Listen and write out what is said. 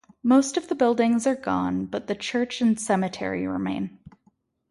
Most of the buildings are gone, but the church and cemetery remain.